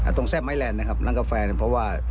แซ่บไม้แลนด์นะครับร้านกาแฟเนี่ยเพราะว่า